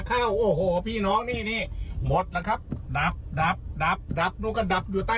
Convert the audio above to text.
ขาออกนะครับนครชายศรี